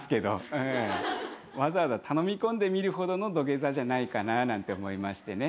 わざわざ頼み込んで見るほどの土下座じゃないかななんて思いましてね。